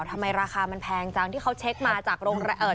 ทำไมราคามันแพงจังที่เค้าเช็คมาจากโรงแรก